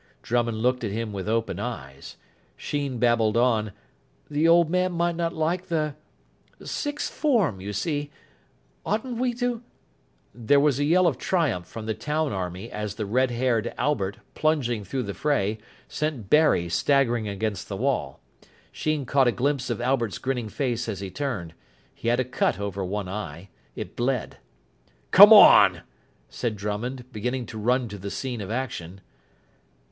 Drummond looked at him with open eyes. Sheen babbled on. "The old man might not like sixth form, you see oughtn't we to ?" There was a yell of triumph from the town army as the red haired Albert, plunging through the fray, sent Barry staggering against the wall. Sheen caught a glimpse of Albert's grinning face as he turned. He had a cut over one eye. It bled. "Come on," said Drummond, beginning to run to the scene of action.